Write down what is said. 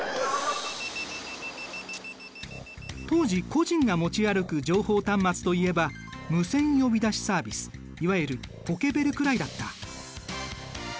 当時個人が持ち歩く情報端末といえばいわゆるポケベルくらいだった。